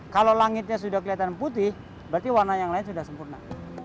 kalau langitnya sudah kelihatan putih berarti warna yang lain sudah sempurna